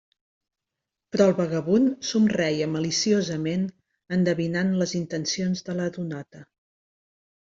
Però el vagabund somreia maliciosament, endevinant les intencions de la donota.